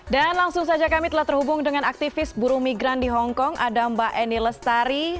dan langsung saja kami telah terhubung dengan aktivis burung migran di hongkong ada mbak eni lestari